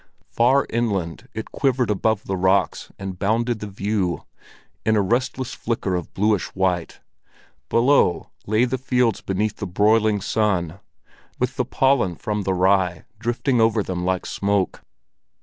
Far inland it quivered above the rocks that bounded the view, in a restless flicker of bluish white; below lay the fields beneath the broiling sun, with the pollen from the rye drifting over them like smoke.